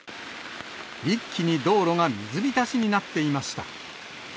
一気に道路が水浸しになっていました。